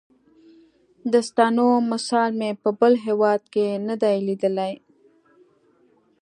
دې ستنو مثال مې په بل هېواد کې نه دی لیدلی.